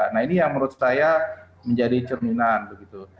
nah ini yang menurut saya menjadi cerminan begitu